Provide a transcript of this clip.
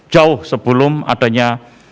jauh sebelum adanya